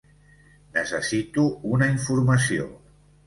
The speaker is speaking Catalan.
Necessito una informació.